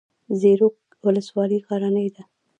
زیروک ولسوالۍ غرنۍ ده؟